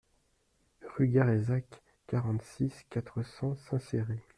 Rue Garrezac, quarante-six, quatre cents Saint-Céré